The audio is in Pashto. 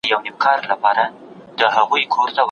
که امکانات لږ وي بايد سمه ګټه ترې واخيستل سي.